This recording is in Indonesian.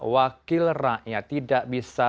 wakil rakyat tidak bisa